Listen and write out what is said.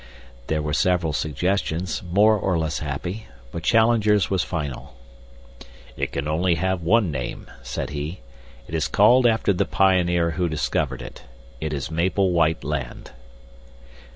There were several suggestions, more or less happy, but Challenger's was final. "It can only have one name," said he. "It is called after the pioneer who discovered it. It is Maple White Land."